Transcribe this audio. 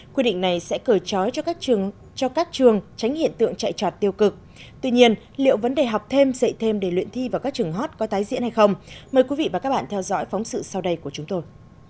quy định này sẽ cởi trói cho các trường tránh hiện tượng chạy trọt tiêu cực tuy nhiên liệu vấn đề học thêm dạy thêm để luyện thi vào các trường hot có tái diễn hay không mời quý vị và các bạn theo dõi phóng sự sau đây của chúng tôi